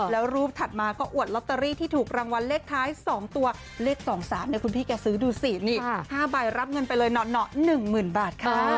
แล้วรูปถัดมาก็อวดลอตเตอรี่ที่ถูกรางวัลเลขท้าย๒ตัวเลข๒๓คุณพี่แกซื้อดูสินี่๕ใบรับเงินไปเลยเหนาะ๑๐๐๐บาทค่ะ